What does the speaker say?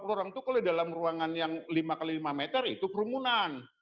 orang itu kalau di dalam ruangan yang lima x lima meter itu kerumunan